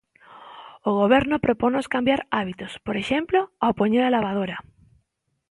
O Goberno proponnos cambiar hábitos, por exemplo, ao poñer a lavadora.